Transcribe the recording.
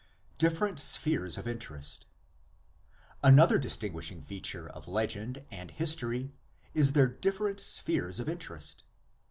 DIFFERENT SPHERES OF INTEREST. Another distinguishing feature of legend and his tory is their different spheres of interest.